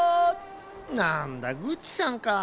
なんだグッチさんか。